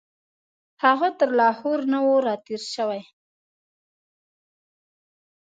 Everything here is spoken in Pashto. هغه تر لاهور نه وو راتېر شوی.